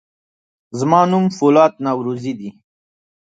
زما نوم فولاد نورزی دی.